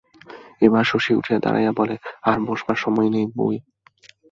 এবার শশী উঠিয়া দাড়াইয়া বলে, আর বসবার সময় নেই বেী।